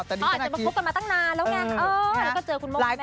อ๋อเป็นทุกคนมาตั้งนานแล้วไงได้เจอคุณโมมี่แม่